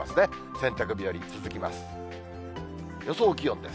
洗濯日和続きます。